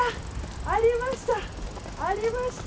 ありました！